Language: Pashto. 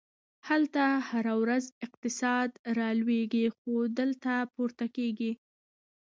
هلته هره ورځ اقتصاد رالویږي، خو دلته پورته کیږي!